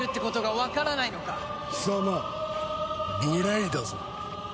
貴様無礼だぞ！